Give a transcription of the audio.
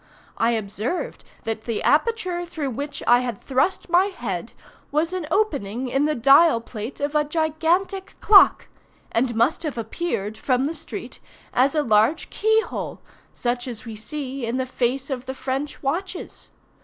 I observed that the aperture through which I had thrust my head was an opening in the dial plate of a gigantic clock, and must have appeared, from the street, as a large key hole, such as we see in the face of the French watches.